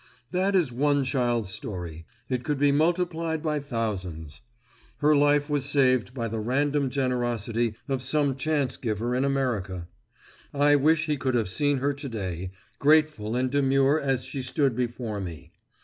That is one child's story. It could be multiplied by thousands. Her life was saved by the random generosity of some chance giver in America. I wish he could have seen her today, grateful and demure as she stood before me.